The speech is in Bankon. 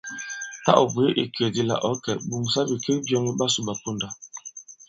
Tâ ɔ̀ bwě ìkè di ɔ kɛ̀, ɓòŋsa bìkek byɔ̄ŋ i ɓasū ɓa ponda.